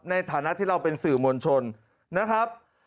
ในฐานะที่เราเป็นสื่อมวลชนนะครับ